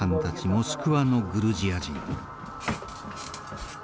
モスクワのグルジア人。